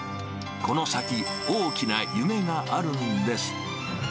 この先、大きな夢があるんです。